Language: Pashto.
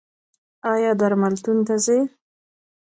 ایا درملتون ته ځئ؟